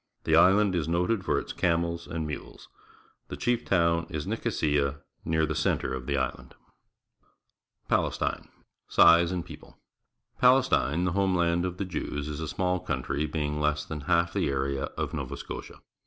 The island is noted for its camels and mules. The chief town is Nicosia, near the centre of the island. PALESTINE crrr^ Size and People. — Palestine, the home land of the Jews, is a small country, being less than half the area of Nova Scotia.